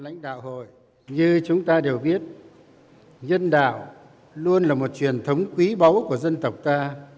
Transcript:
như chúng ta đều biết nhân đạo luôn là một truyền thống quý báu của dân tộc ta